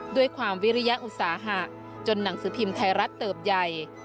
ด้วยความวิริยอุตสาหะจนหนังสือพิมพ์ไทยรัฐเติบใหญ่